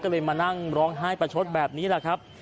ก็เลยมานั่งร้องไห้ประชดแบบนี้แหละครับ